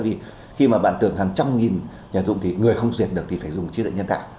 vì khi mà bạn tưởng hàng trăm nghìn nhà dụng thì người không duyệt được thì phải dùng trí tuệ nhân tạo